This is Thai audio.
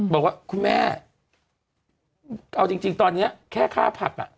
บอกว่าคุณแม่เอาจริงตอนนี้แค่ค่าผักอ่ะ